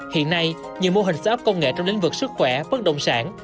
hiện nay nhiều mô hình shop công nghệ trong lĩnh vực sức khỏe bất động sản